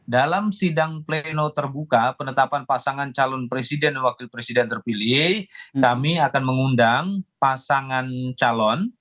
dalam sidang pleno terbuka penetapan pasangan calon presiden dan wakil presiden terpilih kami akan mengundang pasangan calon